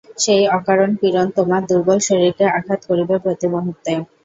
সেই অকারণ পীড়ন তোমার দূর্বল শরীরকে আঘাত করবে প্রতিমুহূর্তে।